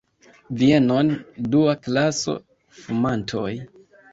Vienon, dua klaso, fumantoj!